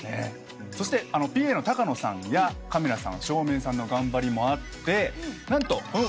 そしてＰＡの高野さんやカメラさん照明さんの頑張りもあって何と。